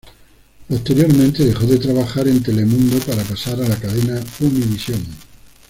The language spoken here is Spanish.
Posteriormente dejó de trabajar en Telemundo para pasar a la cadena Univisión.